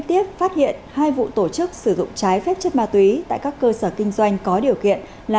tiếp phát hiện hai vụ tổ chức sử dụng trái phép chất ma túy tại các cơ sở kinh doanh có điều kiện là